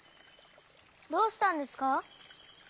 どうしたんですか？